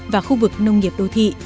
và khu vực nông nghiệp đô thị